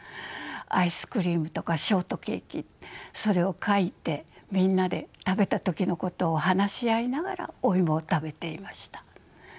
アイスクリームとかショートケーキそれを描いてみんなで食べた時のことを話し合いながらお芋を食べていました。